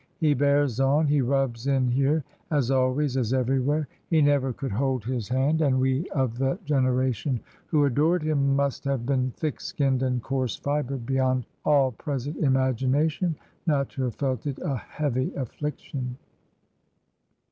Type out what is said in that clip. He bears on, he rubs in here, as always, as everywhere; he never could hold his hand, and we of the generation who adored him must have been thick skinned and coarse fibred beyond all present imagination not to have felt it a heavy affliction.